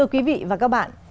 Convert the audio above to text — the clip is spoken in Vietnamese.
quý vị và các bạn